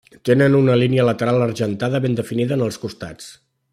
Tenen una línia lateral argentada ben definida en els costats.